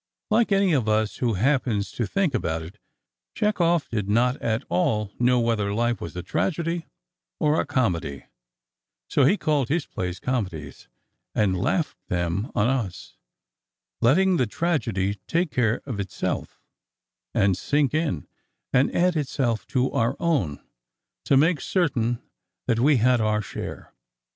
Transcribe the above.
Like any of us who happens to think about it, Chekhov did not at all know whether life was a tragedy or a comedy, so he called his plays comedies, and laughed them off on us, letting the tragedy take care of itself, and sink in, and add itself to our own, to make certain that we had our share.